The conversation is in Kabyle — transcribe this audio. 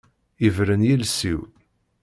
Ibren yiles-iw.